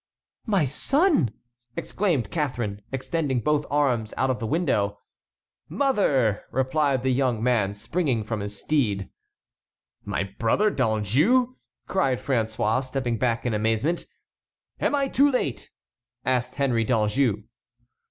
"My son!" exclaimed Catharine, extending both arms out of the window. "Mother!" replied the young man, springing from his steed. "My brother D'Anjou!" cried François, stepping back in amazement. "Am I too late?" asked Henry d'Anjou.